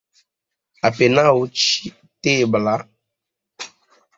Apenaŭ citebla.